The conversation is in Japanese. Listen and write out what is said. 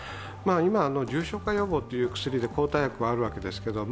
今、重症化予防で抗体薬はあるわけですけれども